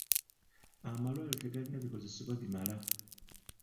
Amalwaliro tegalina bikozesebwa bimala.